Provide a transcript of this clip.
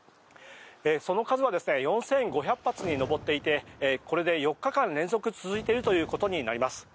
その数は４５００発に上っていてこれで４日間連続続いているということになります。